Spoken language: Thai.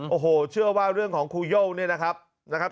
โอ้โหเชื่อว่าเรื่องของคุณโย่นะครับ